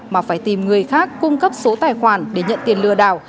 mà phải tìm người khác cung cấp số tài khoản để nhận tiền lừa đảo